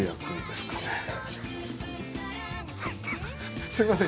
すいません